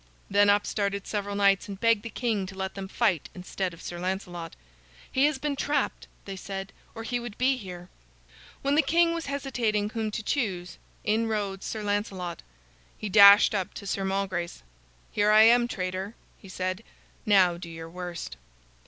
Then up started several knights and begged the king to let them fight instead of Sir Lancelot. "He has been trapped," they said, "or he would be here." While the king was hesitating whom to choose, in rode Sir Lancelot. He dashed up to Sir Malgrace. "Here I am, traitor," he said. "Now do your worst."